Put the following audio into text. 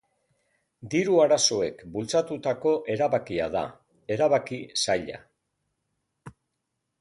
Diru arazoek bultzatutako erabakia da, erabaki zaila.